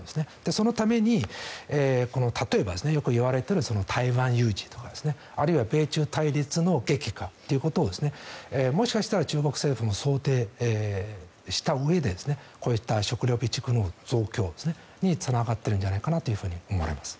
そのために例えば、よくいわれている台湾有事とか、あるいは米中対立の激化ということをもしかしたら中国政府も想定したうえでこういった食料備蓄の増強につながっているんじゃないかなと思われます。